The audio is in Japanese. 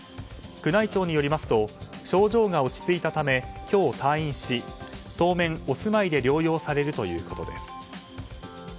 宮内庁によりますと症状が落ち着いたため今日退院し、当面お住まいで療養されるということです。